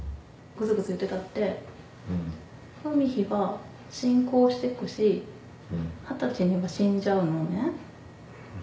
ぐずぐず言ってたって海陽は進行して行くし二十歳には死んじゃうのね。